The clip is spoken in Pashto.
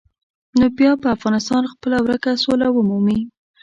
نو بیا به افغانستان خپله ورکه سوله ومومي.